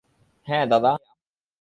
হ্যাঁ, দাদা?